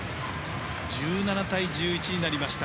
１７対１１になりました。